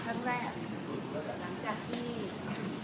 หลังจากที่